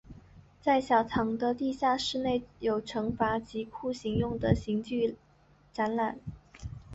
在小堂的地下室内有惩罚及酷刑用的刑具展览。